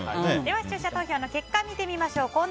視聴者投票の結果を見ましょう。